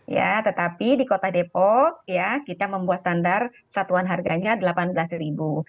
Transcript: ya tetapi di kota depok ya kita membuat standar satuan harganya rp delapan belas ribu